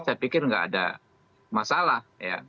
saya pikir nggak ada masalah ya